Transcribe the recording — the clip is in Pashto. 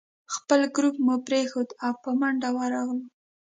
خپل ګروپ مو پرېښود او په منډه ورغلو.